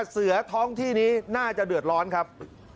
เสือท้องที่นี้น่าจะเดือดร้อนครับ